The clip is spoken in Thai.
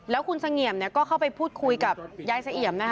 แล้วคุณเสงี่ยมก็เข้าไปพูดคุยกับยายเสเอี่ยมนะคะ